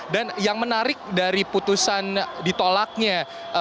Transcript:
dan yang menarik dari putusan ditolaknya